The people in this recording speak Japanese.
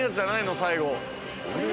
最後。